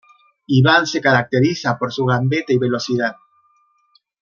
Iván se caracteriza por su gambeta y velocidad.